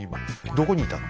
どこにいたの？